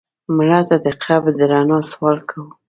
مړه ته د قبر د رڼا سوال کوو